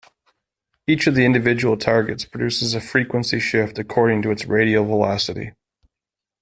Each of the individual targets produces a frequency shift according to its radial velocity.